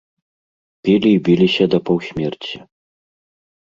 Пілі і біліся да паўсмерці.